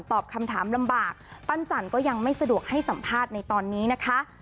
ตอบคำถามลำบากปั้นจันก็ยังไม่สะดวกให้สัมภาษณ์ในตอนนี้นะคะ